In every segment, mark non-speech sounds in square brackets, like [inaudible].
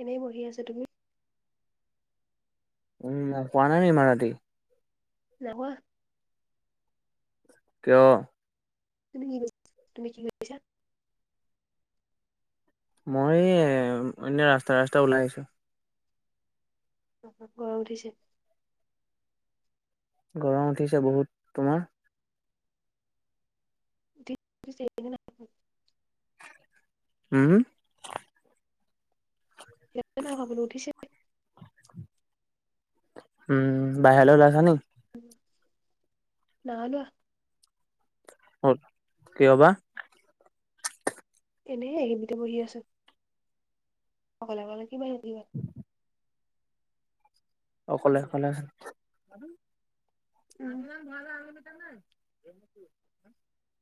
এনেই বহি আছোঁ, তুমি? উম শুৱা নাই নি ইমান ৰাতি? নাই শুৱা। কিয়? তুমি কি, তুমি কি কৰিছা? মই, এনে ৰাস্তা ৰাস্তা ওলাই আহিছোঁ। বহুত গৰম উঠিছে। গৰম উঠিছে বহুত, তোমাৰ? [unintelligible] উম, সেইয়াই নাইকোৱা বোলো উঠিছে। উম, বাহিৰলৈ ওলাইছা নি? নাই ওলোৱা। কিয় বা? এনে এইখিনিতে বহি আছো। অকলে অকলে কি বহি [unintelligible] অকলে অকলে। [unintelligible] উম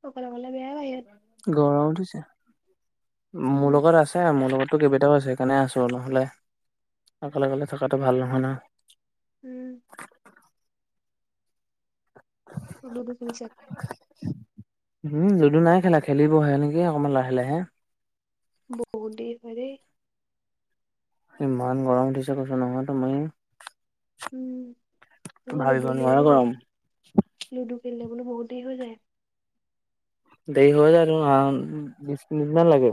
অকলে অকলে বেয়াই বাহিৰত গৰম বুজিছা, মোৰ উম লগত আছে মোৰ লগতটো কেইবেইটাও আছে সেইকাৰণে আছোঁ, নহ'লে অকলে অকলে থকাটো ভাল নহয় ন। উম, লুডু খেলিছে। উম লুডু নাই খেলা খেলিব হে এনেকে অকমান লাহে লাহে। বহুত দেৰি হয় দেই। ইমান গৰম উঠিছে, কৈছো নহয় তুমি। উম, অ' ভাবিব লুডু নোৱাৰা খেলিবলে গৰম। বহিছো, লুডু খেলিম। বোলো বহুত দেৰি হৈ যায়। দেৰি হৈ যায় তো আও, বিশ মিনিট মান লাগে।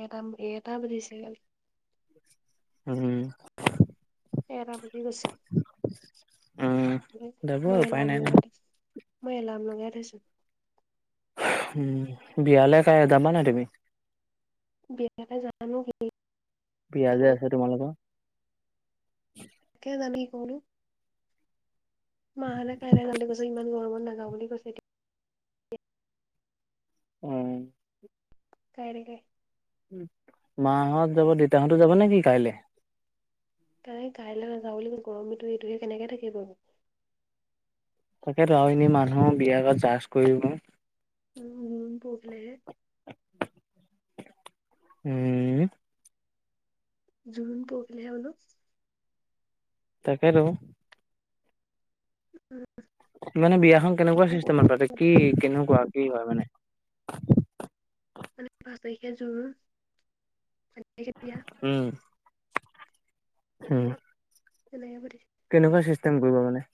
এটাম-এটা বাজিছে কালি। উম। এটা উম, যাব মই-মই উপায় এলাম নাই ন। লগাই থৈছো, মই এলাম লগাই থৈছো। উম, বিয়ালে কালি যাবা নাই তুমি? বিয়ালে জানো কি বিয়াজে কৰো আছে তোমালোকৰ। [unintelligible] মা সলে কাইলৈ জাম‌ বুলি কৈছো, ইমান গৰমত নাজাও বুলি কৈছে এতিয়া উম। কাইলেগে মাহত যাব দেউতাহঁতো যাব নেকি কাইলে? কাই-কাইলৈ নাযাওঁ বুলি ক'লে, গৰমো এইটোহে কেনেকে থাকিব। তাকেতো আৰু এনেও মানুহৰ বিয়া ঘৰত জাছ কৰিব। উম, উম, [unintelligible] [unintelligible] উম। জোৰোণ পৰখিলেহে হ'ল। তাকেতো মানে বিয়াখন কেনেকুৱা বোলো চিষ্টেমত পাতে, কি কেনেকুৱা? কি হয় মানে? মানে পাঁচ তাৰিখে জোৰন, ছয় তাৰিখে বিয়া। হম। [unintelligible] কেনেকুৱা চিষ্টেম কৰিব মানে?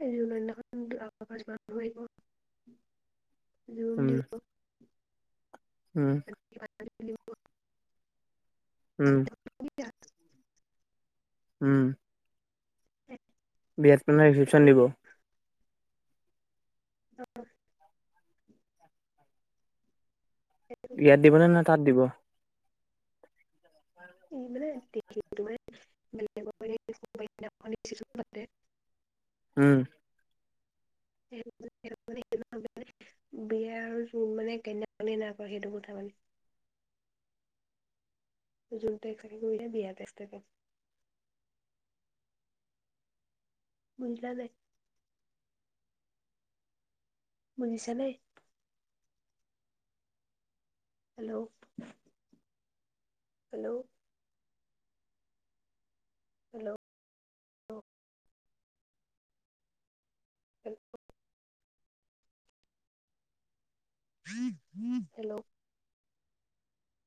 সেই জোৰোণ দিনাখন আমাৰ ঘৰত মানুহ আহিব। জোৰোণ উম, দিব। উম। [unintelligible] উম। কি [unintelligible] উম। বিয়াত মানে ৰিচেপশ্যন দিব। [unintelligible] ইয়াত দিবনে নে না তাত দিব? এই মানে [unintelligible] দেৰিকে দিব। [unintelligible] উম। [unintelligible] বিয়া আৰু জোৰোণ মানে একেদিনাই, মানে সেইটো কথা মানে। জোৰোনতো এক্সট্ৰাকে কৰে, বিয়াটো এক্সট্ৰাকে। বুজা নাই। বুজিছা নে? Hello. Hello. Hello. Hello. Hello.